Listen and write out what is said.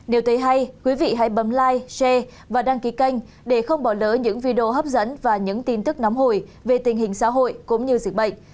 điều thấy hay quý vị hãy bấm live stre và đăng ký kênh để không bỏ lỡ những video hấp dẫn và những tin tức nóng hồi về tình hình xã hội cũng như dịch bệnh